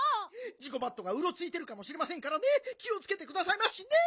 ジゴバットがうろついてるかもしれませんからねきをつけてくださいましね！